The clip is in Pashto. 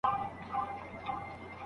ليکنه د پوهې لپاره کارول کېږي.